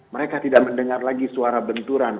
mereka tidak mendengar lagi suara benturan